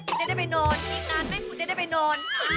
ที่เล่นกันเนี่ยอีกนานไม่เคยจะไปนอน